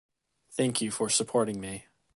Thank you for supporting me